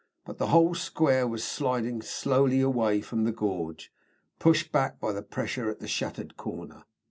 But the whole square was sidling slowly away from the gorge, pushed back by the pressure at the shattered corner.